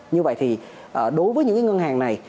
như vậy thì đối với những ngân hàng này